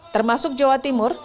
termasuk jawa timur